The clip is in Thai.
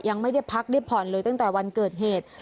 ยังไม่ได้พักได้ผ่อนเลยตั้งแต่วันเกิดเหตุ